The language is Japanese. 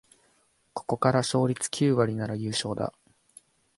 ここから勝率九割なら優勝だ